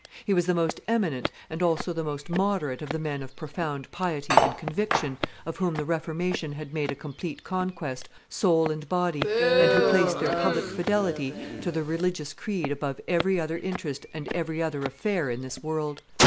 He was the most eminent and also the most moderate of the men of profound piety and conviction of whom the Reformation had made a complete conquest, soul and body, and who placed their public fidelity to their religious creed above every other interest and every other affair in this world.